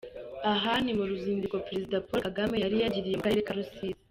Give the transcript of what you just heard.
Aha ni mu ruzinduko Perezida Paul Kagame yari yagiriye mu karere ka Rusizi.